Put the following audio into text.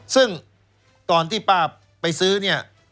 ซึ่งตอนที่ป้าไปซื้อเนี่ย